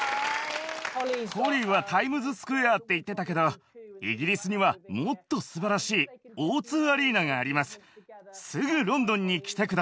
ホリーはタイムズスクエアって言ってたけど、イギリスにはもっとすばらしいＯ２アリーナがあります。